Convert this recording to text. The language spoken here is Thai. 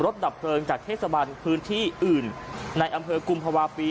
ดับเพลิงจากเทศบันพื้นที่อื่นในอำเภอกุมภาวะปี